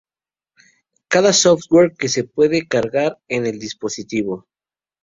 cada software que se pueda cargar en el dispositivo